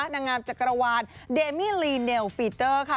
นางงามจักรวาลเดมี่ลีเนลปีเตอร์ค่ะ